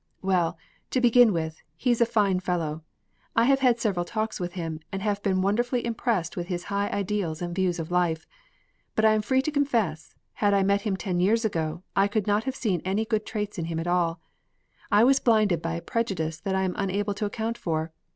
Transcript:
"Well, to begin with, he's a fine fellow. I have had several talks with him, and have been wonderfully impressed with his high ideals and views of life. But I am free to confess, had I met him ten years ago, I could not have seen any good traits in him at all. I was blinded by a prejudice that I am unable to account for.